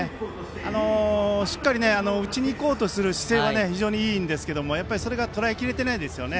しっかり打ちに行こうとする姿勢は非常にいいですがとらえきれてないですね。